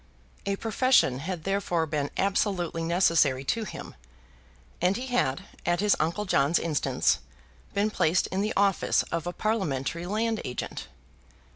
A profession had therefore been absolutely necessary to him; and he had, at his uncle John's instance, been placed in the office of a parliamentary land agent.